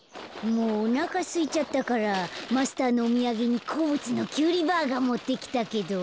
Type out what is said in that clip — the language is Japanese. もうおなかすいちゃったからマスターのおみやげにこうぶつのキュウリバーガーもってきたけど